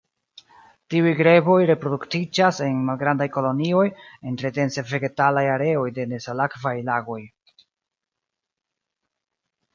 Tiuj greboj reproduktiĝas en malgrandaj kolonioj en tre dense vegetalaj areoj de nesalakvaj lagoj.